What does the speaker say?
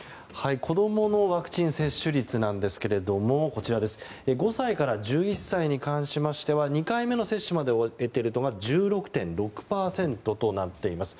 子供のワクチン接種率なんですが５歳から１１歳に関しましては２回目の接種までを終えている人が１６．６％となっています。